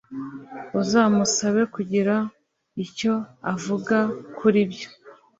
uzamusabe kugira icyo avuga kuribyo.